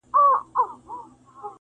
غلط شوو ستا د خولې په نن سبا باندې افسوس